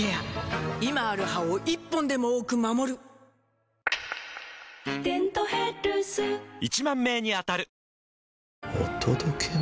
今ある歯を１本でも多く守る「デントヘルス」１０，０００名に当たる！